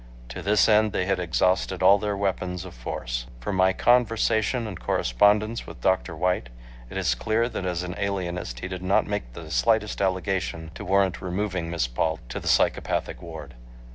To this end they had exhausted all their weapons of force. From my conversation and correspondence with Dr. White, it is clear that as an alienist he did not make the slightest allegation to warrant removing Miss Paul to the psychopathic ward.